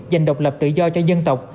dành độc lập tự do cho dân tộc